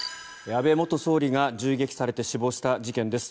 安倍元総理が銃撃されて死亡した事件です。